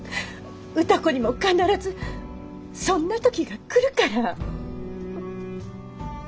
歌子にも必ずそんな時が来るから。